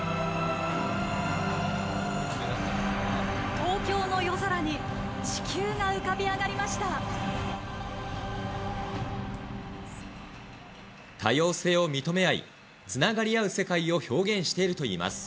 東京の夜空に地球が浮かび上多様性を認め合い、つながり合う世界を表現しているといいます。